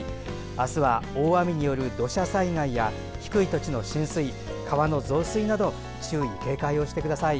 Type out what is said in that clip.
明日は大雨による土砂災害や低い土地の浸水、川の増水など注意・警戒をしてください。